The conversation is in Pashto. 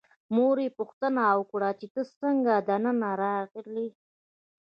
مور یې پوښتنه وکړه چې ته څنګه دننه راغلې.